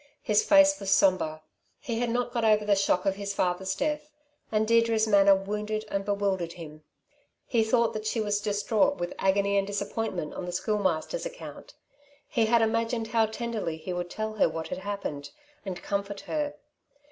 His face was sombre. He had not got over the shock of his father's death and Deirdre's manner wounded and bewildered him. He thought that she was distraught with agony and disappointment on the Schoolmaster's account. He had imagined how tenderly he would tell her what had happened, and comfort her.